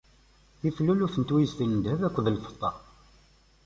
Tif luluf n twiztin n ddheb akked lfeṭṭa.